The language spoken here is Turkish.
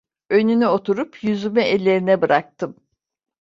Önüne oturup yüzümü ellerine bıraktım.